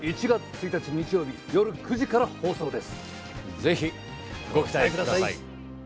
ぜひ。ご期待ください。